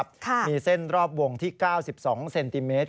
มีเส้นรอบวงที่๙๒เซนติเมตร